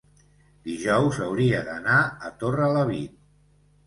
dijous hauria d'anar a Torrelavit.